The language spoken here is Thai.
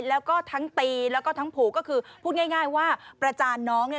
แล้วก็ทั้งตีแล้วก็ทั้งผูกก็คือพูดง่ายว่าประจานน้องเนี่ย